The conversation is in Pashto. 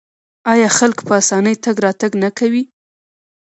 آیا خلک په اسانۍ تګ راتګ نه کوي؟